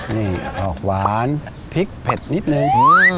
นี่ออกหวานพริกเผ็ดนิดนึง